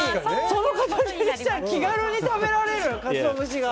その形にしたら気軽に食べられる。